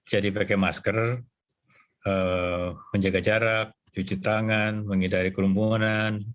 jadi pakai masker menjaga jarak cuci tangan mengidari kerumbunan